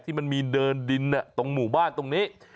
มันมีเดินดินตรงหมู่บ้านตรงนี้